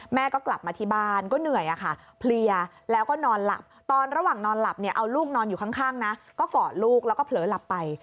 แม่ก็กลับมาที่บ้านก็เหนื่อยอะค่ะเพลียแล้วก็นอนหลับตอนระหว่างนอนหลับเนี่ยเอาลูกนอนอยู่ข้างนะก็กอดลูกแล้วก็เผลอหลับไป